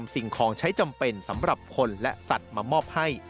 สิ่งของใช้จำเป็นสำหรับคนและสัตว์มามอบให้